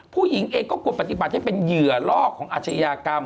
ผู้หญิงเองก็ควรปฏิบัติให้เป็นเหยื่อลอกของอาชญากรรม